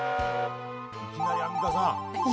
いきなりアンミカさん。